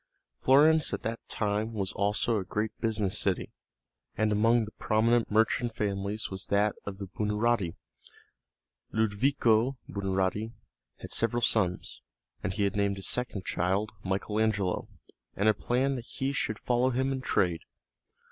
Florence at that time was also a great business city, and among the prominent merchant families was that of the Buonarotti. Ludovico Buonarotti had several sons, and he had named his second child Michael Angelo, and had planned that he should follow him in trade.